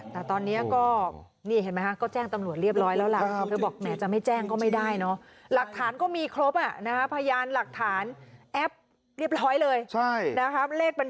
นะครับเลขบัญชีเรียบร้อยเลย